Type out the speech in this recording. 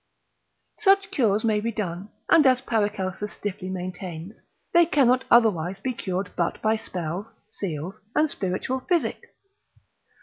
Such cures may be done, and as Paracels. Tom. 4. de morb. ament. stiffly maintains, they cannot otherwise be cured but by spells, seals, and spiritual physic.